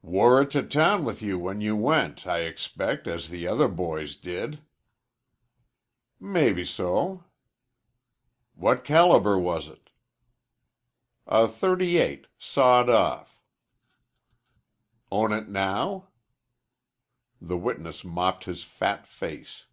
"Wore it to town with you when you went, I expect, as the other boys did." "Mebbeso." "What caliber was it?" "A .38, sawed off." "Own it now?" The witness mopped his fat face.